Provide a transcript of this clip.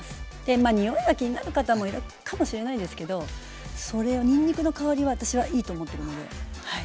まあにおいが気になる方もいるかもしれないですけどにんにくの香りは私はいいと思ってるのではい。